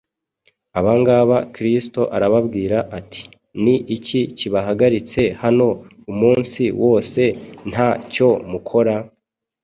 Abangaba Kristo arababwira ati, “Ni iki kibahagaritse hano umunsi wose nta cyo mukora?”